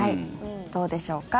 どうでしょうか。